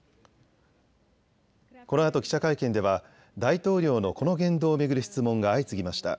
このあと記者会見では大統領のこの言動を巡る質問が相次ぎました。